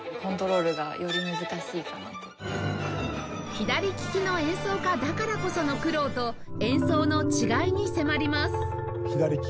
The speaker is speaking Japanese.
左ききの演奏家だからこその苦労と演奏の違いに迫ります！